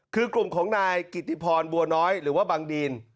คือกลุ่มของนายกิติพรบัวน้อยหรือว่าบังดีน